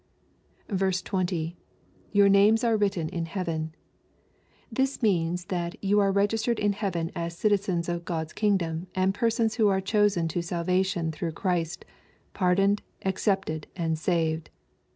20. —[ Your names are written in heaven.] This means that " you are registered in heaven as citizens of God's kingdom, and persons who are chosen to salvation through Christ, pardoned, accepted, and saved."